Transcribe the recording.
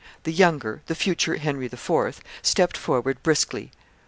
The younger, the future Henry IV., stepped forward briskly.